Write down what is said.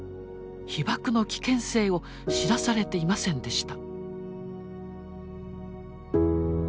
被ばくの危険性を知らされていませんでした。